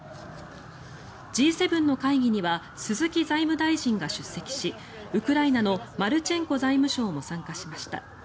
Ｇ７の会議には鈴木財務大臣が出席しウクライナのマルチェンコ財務相も参加しました。